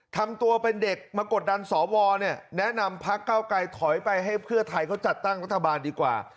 ทำตัวเป็นเด็กมากดดันสวเนี่ยแนะนำพักเก้าไกลถอยไปให้เพื่อไทยเขาจัดตั้งรัฐบาลดีกว่า